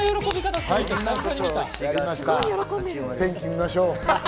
天気、見ましょう。